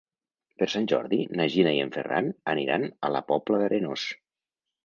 Per Sant Jordi na Gina i en Ferran aniran a la Pobla d'Arenós.